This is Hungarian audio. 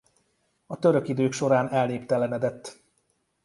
A török idők során elnéptelenedett.